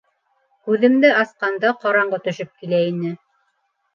Күҙемде асҡанда ҡараңғы төшөп килә ине.